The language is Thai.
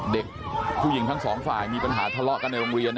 เด็กผู้หญิงทั้งสองฝ่ายมีปัญหาทะเลาะกันในโรงเรียน